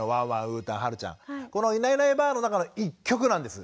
うーたんはるちゃんこの「いないいないばあっ！」の中の一曲なんです。